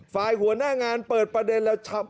หัวหน้างานเปิดประเด็นแล้วชับ